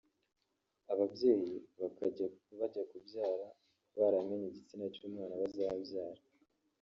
ababyeyi bakajya bajya kubyara baramenye igitsina cy’umwana bazabyara